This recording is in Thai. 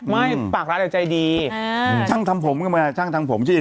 ไม่พอใจ